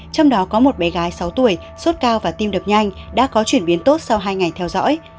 trong đó có một bé gái sáu tuổi sốt cao và tim đập nhanh đã có chuyển biến tốt sau hai ngày theo dõi